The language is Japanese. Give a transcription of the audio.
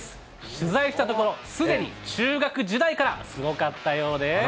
取材したところ、すでに中学時代からすごかったようで。